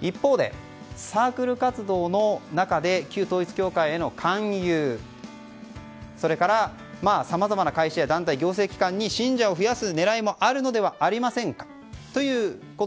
一方で、サークル活動の中で旧統一教会への勧誘それから、さまざまな会社や行政機関に信者を増やす狙いがあるのではありますかということ。